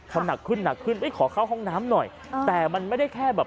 พอหนักขึ้นหนักขึ้นเอ้ยขอเข้าห้องน้ำหน่อยแต่มันไม่ได้แค่แบบ